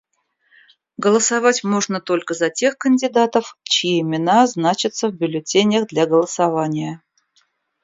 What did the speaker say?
Голосовать можно только за тех кандидатов, чьи имена значатся в бюллетенях для голосования.